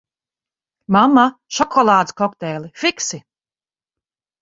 Mamma, šokolādes kokteili, fiksi!